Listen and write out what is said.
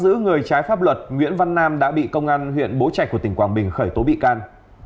bắt giữ người trái pháp luật nguyễn văn nam đã bị công an huyện bố trạch của tỉnh quảng bình khởi tố bị can